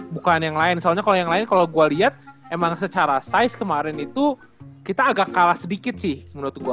bukan yang lain soalnya kalau yang lain kalau gue lihat emang secara size kemarin itu kita agak kalah sedikit sih menurut gue